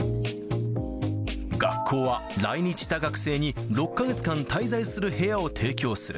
学校は来日した学生に６か月間、滞在する部屋を提供する。